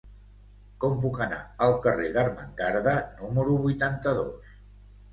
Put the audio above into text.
Com puc anar al carrer d'Ermengarda número vuitanta-dos?